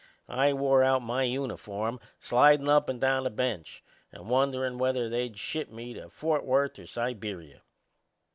I wore out my uniform slidin' up and down the bench and wonderin' whether they'd ship me to Fort Worth or Siberia.